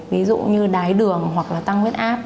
ví dụ như đái đường hoặc là tăng huyết áp